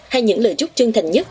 hay những lời chúc chân thành nhất